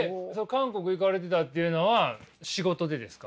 韓国行かれてたっていうのは仕事でですか？